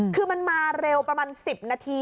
คือมันมาเร็วประมาณ๑๐นาที